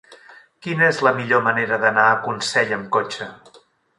Quina és la millor manera d'anar a Consell amb cotxe?